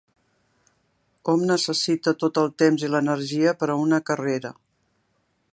Hom necessita tot el temps i l'energia per a una carrera.